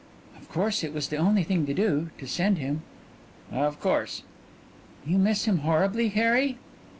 "Of course it was the only thing to do, to send him." "Of course " "You miss him horribly, Harry?"